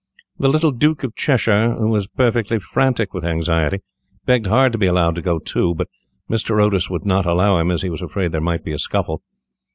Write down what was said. The little Duke of Cheshire, who was perfectly frantic with anxiety, begged hard to be allowed to go too, but Mr. Otis would not allow him, as he was afraid there might be a scuffle.